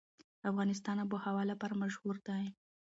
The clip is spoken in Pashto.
افغانستان د آب وهوا لپاره مشهور دی.